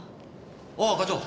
あっ課長。